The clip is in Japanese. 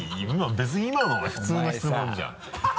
別に今のは普通の質問じゃん。お前さぁ。